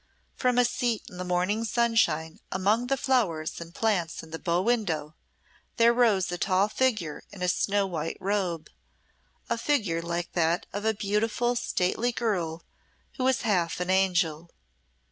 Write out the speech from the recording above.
From a seat in the morning sunshine among the flowers and plants in the bow window, there rose a tall figure in a snow white robe a figure like that of a beautiful stately girl who was half an angel.